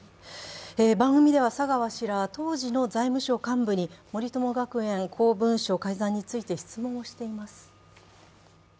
番組では佐川氏は当時の財務省幹部に森友学園公文書改ざんについて質問をしています。